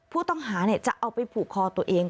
ผู้ต้องหาจะเอาไปผูกคอตัวเอง